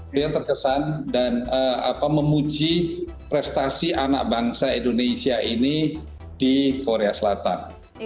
beliau terkesan dan memuji prestasi anak bangsa indonesia ini di korea selatan